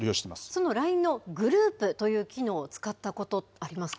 そのＬＩＮＥのグループという機能を使ったことありますか。